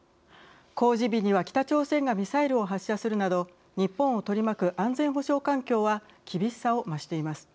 公示日には北朝鮮がミサイルを発射するなど日本を取り巻く安全保障環境は厳しさを増しています。